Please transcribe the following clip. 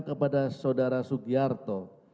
kepada saudara sugiyarto